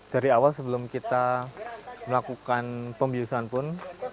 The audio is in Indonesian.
dari awal sebelum kita melakukan pembiusan pun